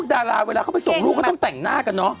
ดาราเวลาเขาไปส่งลูกเขาต้องแต่งหน้ากันเนอะ